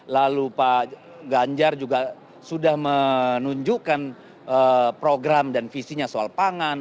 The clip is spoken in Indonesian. lalu pak ganjar juga sudah menunjukkan program dan visinya soal pangan